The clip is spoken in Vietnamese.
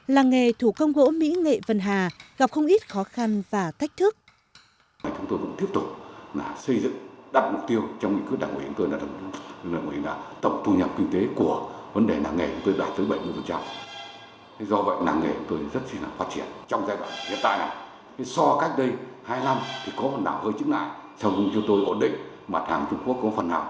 làng nghề thủ công gỗ mỹ nghệ vân hà gặp không ít khó khăn và thách thức